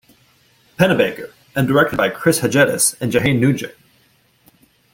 Pennebaker, and directed by Chris Hegedus and Jehane Noujaim.